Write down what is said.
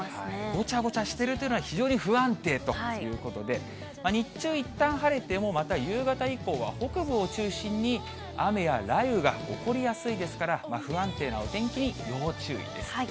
ごちゃごちゃしているというのは非常に不安定ということで、日中、いったん晴れても、また夕方以降は北部を中心に、雨や雷雨が起こりやすいですから、不安定なお天気に要注意です。